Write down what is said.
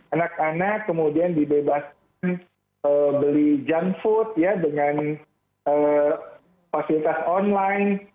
anak anak kemudian dibebaskan beli junk food ya dengan fasilitas online